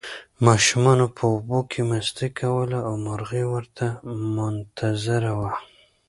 ماشومانو په اوبو کې مستي کوله او مرغۍ ورته منتظره وه.